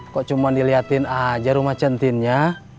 kok cuman diliatin aja rumah centinnya